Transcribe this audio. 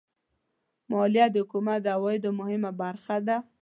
مالیه د حکومت د عوایدو مهمه برخه ده.